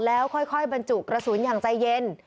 แล้วค่อยบรรจุกระสุนอย่างใจเย็น